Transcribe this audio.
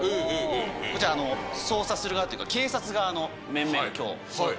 こちら、捜査する側というか、警察側の面々、きょうそろって。